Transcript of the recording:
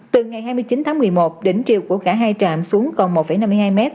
từ ngày hai mươi chín tháng một mươi một đỉnh chiều của cả hai trạm xuống còn một năm mươi hai m